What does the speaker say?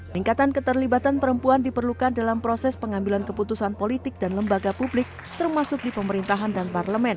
tingkatan keterlibatan perempuan diperlukan dalam proses pengambilan keputusan politik dan lembaga publik termasuk di pemerintahan dan parlemen